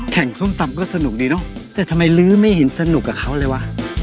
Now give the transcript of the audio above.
ส้มตำก็สนุกดีเนอะแต่ทำไมลื้อไม่เห็นสนุกกับเขาเลยวะ